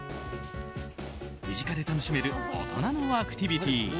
身近で楽しめる大人のアクティビティー。